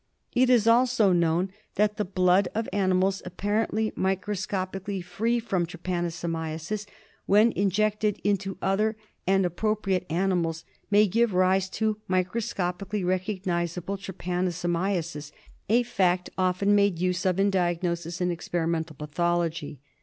THE SLEEPING SICKNESS. 1 25 It is also known that the blood of animals ap parently microscopically free from trypanosomiasis, when injected into other and appropriate animals may give rise to microscopically recognisable trypanoso miasis, a fact often made use of in diagnosis in experi mental pathology.